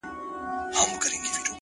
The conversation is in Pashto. نن د پايزېب په شرنگهار راته خبري کوه،